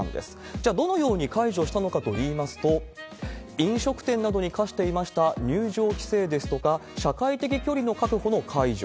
じゃあ、どのように解除したのかといいますと、飲食店などに課していました入場規制ですとか、社会的距離の確保の解除。